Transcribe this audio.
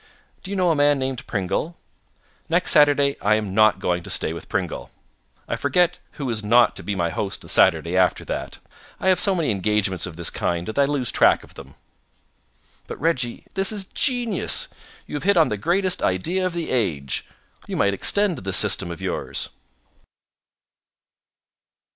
Do you know a man named Pringle? Next Saturday I am not going to stay with Pringle. I forget who is not to be my host the Saturday after that. I have so many engagements of this kind that I lose track of them." "But, Reggie, this is genius. You have hit on the greatest idea of the age. You might extend this system of yours."